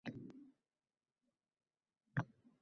– Muncha bugun xursandsiz?